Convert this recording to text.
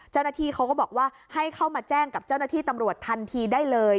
เจ้าหน้าที่เขาก็บอกว่าให้เข้ามาแจ้งกับเจ้าหน้าที่ตำรวจทันทีได้เลย